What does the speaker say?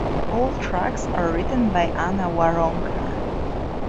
All tracks are written by Anna Waronker.